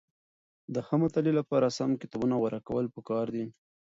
د ښه مطالعې لپاره سم کتابونه غوره کول پکار دي.